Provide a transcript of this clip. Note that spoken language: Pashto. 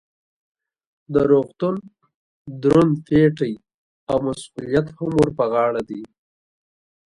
د روغتون دروند پیټی او مسؤلیت هم ور په غاړه دی.